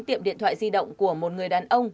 tiệm điện thoại di động của một người đàn ông